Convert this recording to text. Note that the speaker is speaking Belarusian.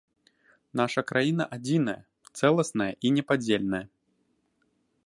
Наша краіна адзіная, цэласная і непадзельная.